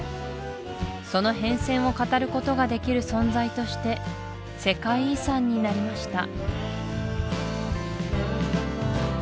その変遷を語ることができる存在として世界遺産になりました